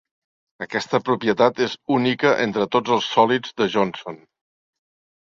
Aquesta propietat és única entre tots els sòlids de Johnson.